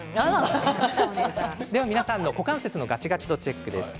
皆さんの股関節のガチガチ度チェックです。